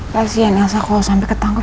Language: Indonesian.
kasian rasa kalau sampai ketangkep